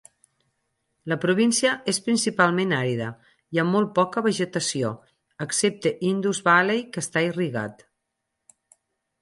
La província és principalment àrida i amb molt poca vegetació, excepte Indus Valley, que està irrigat.